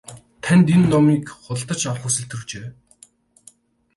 Танд энэ номыг худалдаж авах хүсэл төржээ.